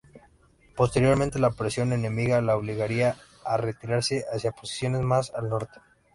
Posteriormente, la presión enemiga le obligaría a retirarse hacia posiciones más al norte.